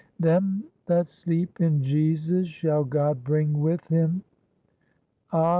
"Them that sleep in Jesus shall GOD bring with Him. Ah!